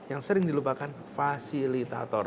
yang sering dilupakan fasilitator